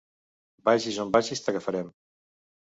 Vagis on vagis, t'agafarem.